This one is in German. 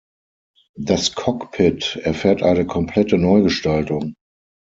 Das Cockpit erfährt eine komplette Neugestaltung.